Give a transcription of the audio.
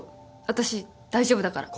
私大丈夫だから。